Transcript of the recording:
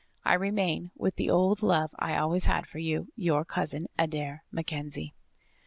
I remain, with the old love I always had for you, Your cousin, Adair MacKenzie."